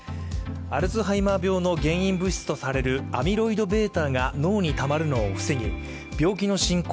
アルツハイマー病の原因物質とされるアミロイドβが脳にたまるのを防ぎ、病気の進行